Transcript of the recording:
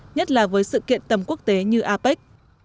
nhất là với sự kiện tầm quốc tế như apec